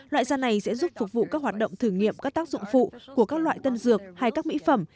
loại da này sẽ giúp phục vụ các hoạt động thử nghiệm các tác dụng phụ của các loại tân dược hay các mỹ phẩm